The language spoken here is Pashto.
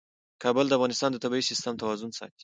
کابل د افغانستان د طبعي سیسټم توازن ساتي.